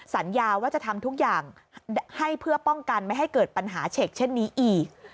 สัญญาว่าจะทำทุกอย่างให้เพื่อป้องกันไม่ให้เกิดปัญหาเฉกเช่นนี้อีก